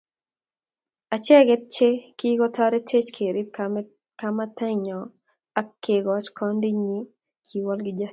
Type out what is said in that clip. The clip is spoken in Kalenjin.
Acheget che kikoturech kerib kamanatanyo ak kekoch kondinyi, kiwol Kijasiri